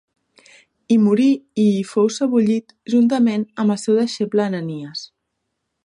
Hi morí i hi fou sebollit juntament amb el seu deixeble Ananies.